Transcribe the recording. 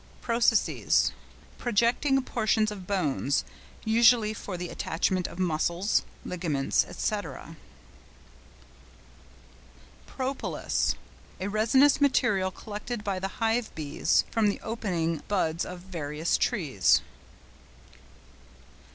PROCESSES.—Projecting portions of bones, usually for the attachment of muscles, ligaments, &c. PROPOLIS.—A resinous material collected by the hivebees from the opening buds of various trees.